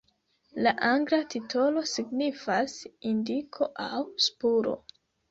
La angla titolo signifas "indiko" aŭ "spuro".